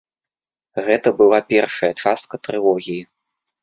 Гэта была першая частка трылогіі.